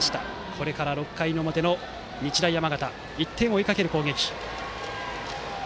これから６回の表、日大山形１点を追いかける攻撃。